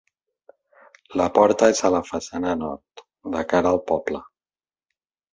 La porta és a la façana nord, de cara al poble.